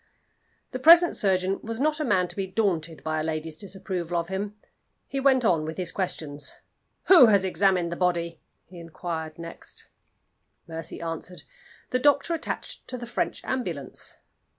The present surgeon was not a man to be daunted by a lady's disapproval of him. He went on with his questions. "Who has examined the body?" he inquired next. Mercy answered, "The doctor attached to the French ambulance."